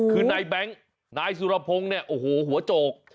คือนายแบงค์นายสุรพงศ์เนี่ยโอ้โหหัวโจก